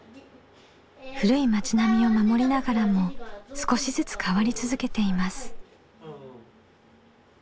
古い町並みを守りながらも少しずつ変わり続けています。